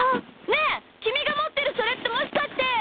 ねえきみがもってるそれってもしかして！